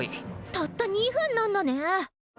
たった２分なんだね。